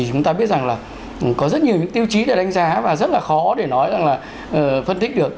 chúng ta biết rằng là có rất nhiều tiêu chí để đánh giá và rất là khó để nói là phân tích được